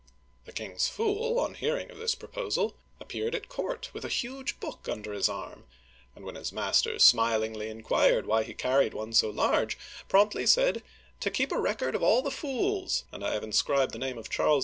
The king's fool, on hearing of this proposal, appeared at court with a huge book under his arm, and when his master smilingly inquired why he carried one so large, promptly said :" To keep a record of all the fools, and I have inscribed the name of Charles V.